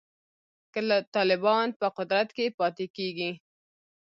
که طالبان په قدرت پاتې کیږي